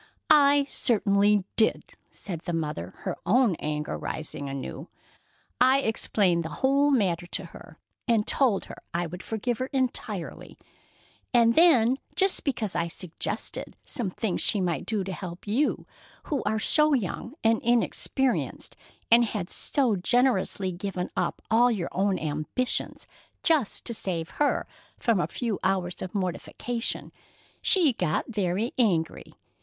"I certainly did," said the mother, her own anger rising anew. "I explained the whole matter to her, and told her I would forgive her entirely. And then just because I suggested some things she might do to help you who are so young and inexperienced, and who had so generously given up all your own ambitions just to save her from a few hours' mortification, she got very angry.